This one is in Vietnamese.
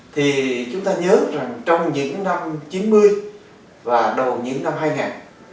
thì chúng ta nhớ rằng trong những năm chín mươi và đầu những năm hai nghìn